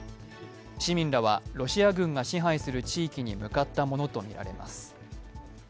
市民らはロシア軍が支配する地域に向かったものとみられます。